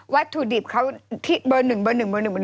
วัตถุดิบเขาที่เบอร์หนึ่ง